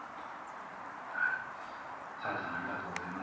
はいさらさんありがとうございます。